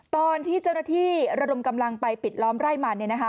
ตอนที่เจ้าหน้าที่ระดมกำลังไปปิดล้อมไร่มัน